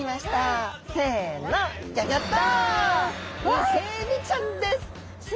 イセエビちゃんです！